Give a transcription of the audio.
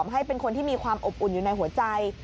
ให้เป็นคนที่มีความอบอุ่นอยู่ในหัวใจ